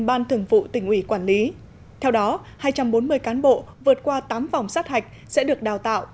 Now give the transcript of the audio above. ban thường vụ tỉnh ủy quản lý theo đó hai trăm bốn mươi cán bộ vượt qua tám vòng sát hạch sẽ được đào tạo